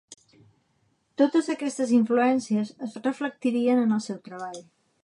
Totes aquestes influències es reflectirien en el seu treball.